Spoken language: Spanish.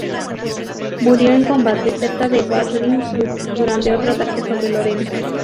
Murió en combate cerca de Bar-le-Duc durante otro ataque sobre Lorena.